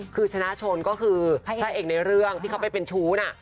คือชนะชนก็คือพระเอกในเรื่องที่เขาไปเป็นชู้น่ะ